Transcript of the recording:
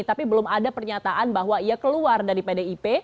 tapi belum ada pernyataan bahwa ia keluar dari pdip